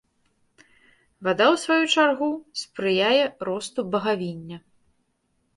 Вада, у сваю чаргу, спрыяе росту багавіння.